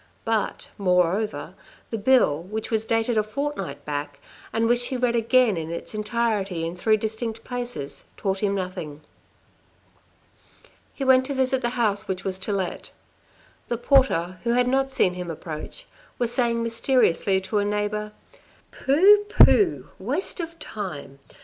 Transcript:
But, moreover, the bill, which was dated a fortnight back, and which he read again in its entirety in three distinct places, taught him nothing. SORROWS OF AN OFFICIAL 157 He went to visit the house which was to let. The porter, who had not seen him approach, was saying mysteriously to a neighbour : "Pooh, pooh, waste of time.